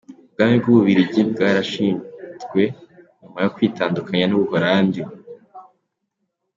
Ubwami bw’u Bubiligi bwarashinzwe nyuma yo kwitandukanya n’u Buholandi.